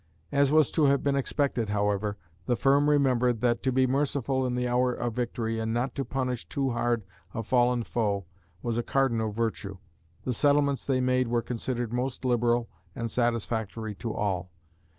As was to have been expected, however, the firm remembered that to be merciful in the hour of victory and not to punish too hard a fallen foe, was a cardinal virtue. The settlements they made were considered most liberal and satisfactory to all.